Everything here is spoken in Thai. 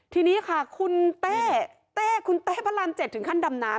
ทีนี้ค่ะคุณแต่แต่คุณแต่พระราชิตหลักถึงขั้นดำนาม